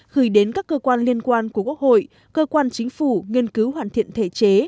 gửi đến các cơ quan liên quan của quốc hội cơ quan chính phủ nghiên cứu hoàn thiện thể chế